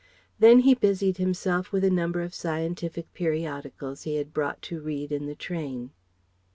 Then he busied himself with a number of scientific periodicals he had brought to read in the train.